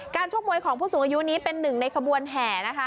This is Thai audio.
ชกมวยของผู้สูงอายุนี้เป็นหนึ่งในขบวนแห่นะคะ